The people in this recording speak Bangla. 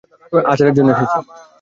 আচারের জন্য এসেছি।